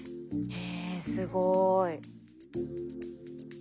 へえすごい。